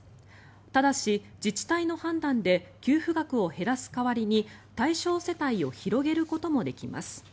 ただし、自治体の判断で給付額を減らす代わりに対象世帯を広げることもできます。